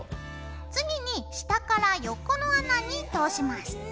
次に下から横の穴に通します。